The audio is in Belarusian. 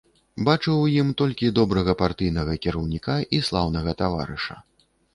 Бачыў у ім толькі добрага партыйнага кіраўніка і слаўнага таварыша.